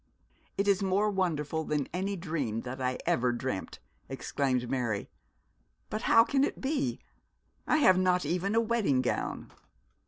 'It is more wonderful than any dream that I ever dreamt.' exclaimed Mary. 'But how can it be? I have not even a wedding gown.'